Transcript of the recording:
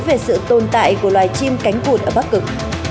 về sự tồn tại của loài chim cánh vụt ở bắc cực